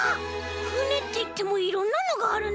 「ふね」っていってもいろんなのがあるねえ。